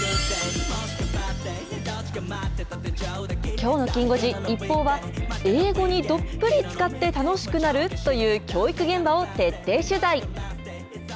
きょうのきん５時、ＩＰＰＯＵは、英語にどっぷり漬かって楽しくなるという教育現場を徹底取材。